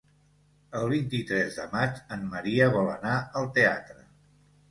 El vint-i-tres de maig en Maria vol anar al teatre.